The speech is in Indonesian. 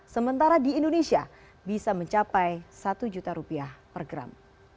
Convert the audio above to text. sementara di indonesia bisa mencapai satu juta rupiah per gram